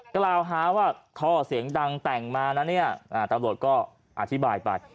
กล่าวหาว่าท่อเสียงดังแต่งมานะเนี่ยตำรวจก็อธิบายไป